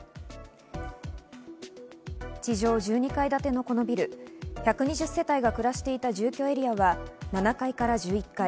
地上１２階建てのこのビル、１２０世帯が暮らしていた住居エリアは７階から１１階。